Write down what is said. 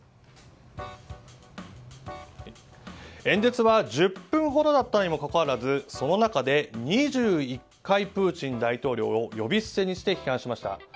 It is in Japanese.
演説は１０分ほどだったにもかかわらずその中で２１回プーチン大統領を呼び捨てにして批判しました。